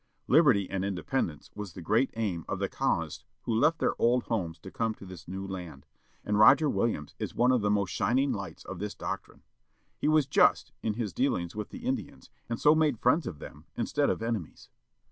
Liberty and independence was the great aim of the colonists who left their old homes to come to this new land, and Roger Williams is one of the most shining lights of this doctrine. He was just in his dealings with the Indians, and so made friends of them instead of enemies.